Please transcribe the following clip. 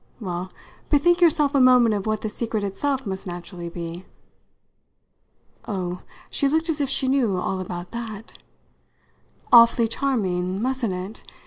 Well, bethink yourself a moment of what the secret itself must naturally be." Oh, she looked as if she knew all about that! "Awfully charming mustn't it?